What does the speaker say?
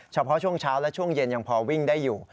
เฉพาะช่วงเช้าและช่วงเย็นยังพอวิ่งได้อยู่